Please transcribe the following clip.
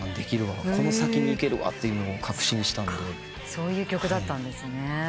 そういう曲だったんですね。